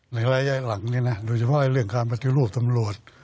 ระยะหลังนี้นะโดยเฉพาะเรื่องการปฏิรูปตำรวจ